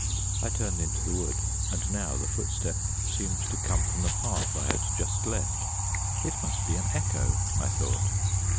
I turned into the wood, and now the footstep seemed to come from the path I had just left. It must be an echo, I thought.